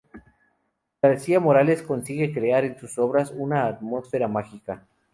Gracia Morales consigue crear en sus obras una atmósfera mágica.